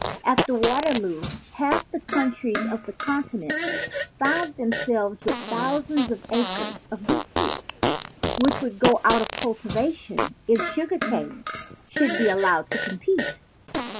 After Waterloo, half the countries of the Conti nent found themselves with thousands of acres of beet fields which would go out of cultivation if cane sugar should be allowed to compete.